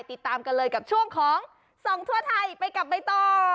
ติดตามกันเลยกับช่วงของส่องทั่วไทยไปกับใบตอง